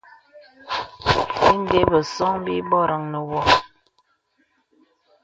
Ìndə̀ bəsōŋ bì bɔranə wɔ.